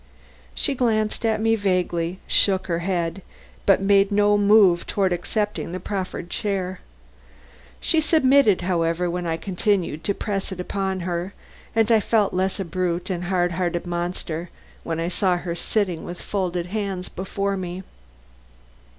She glanced at me vaguely, shook her head, but made no move toward accepting the proffered chair. She submitted, however, when I continued to press it upon her; and I felt less a brute and hard hearted monster when I saw her sitting with folded hands before me.